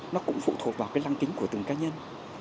nó cũng phụ thuộc vào cái lăng kính của từng cá nhân